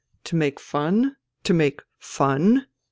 to make fun ... to make fun